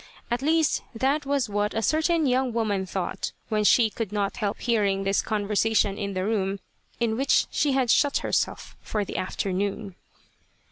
At least that was what a certain young woman thought, when she could not help hearing this conversation in the room in which she had shut herself for the afternoon.